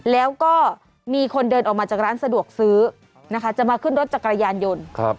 แล้วก็มีคนเดินออกมาจากร้านสะดวกซื้อนะคะจะมาขึ้นรถจักรยานยนต์